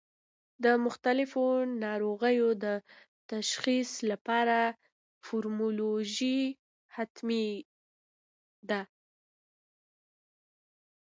د مختلفو ناروغیو د تشخیص لپاره مورفولوژي حتمي ده.